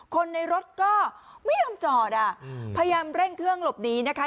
คนในรถก็ไม่ยอมจอดอ่ะพยายามเร่งเครื่องหลบหนีนะคะ